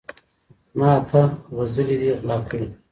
زما اته غزلي دي غلا كړي